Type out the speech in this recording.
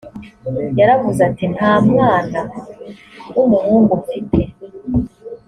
yaravuze ati nta mwana w umuhungu mfite